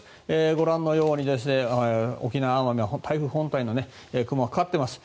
ご覧のように沖縄、奄美は台風本体の雲がかかっています。